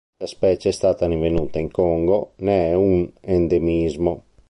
La specie è stata rinvenuta in Congo, ne è un endemismo.